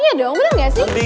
iya dong bener gak sih